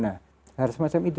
nah harus macam itu